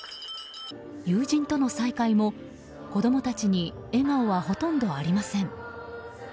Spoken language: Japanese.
友人との再会も、子供たちに笑顔はほとんどありません。